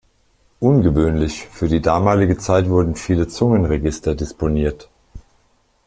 Ungewöhnlich für die damalige Zeit wurden viele Zungenregister disponiert.